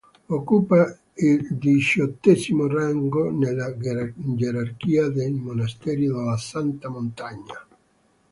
Occupa il diciottesimo rango nella gerarchia dei monasteri della "Santa Montagna".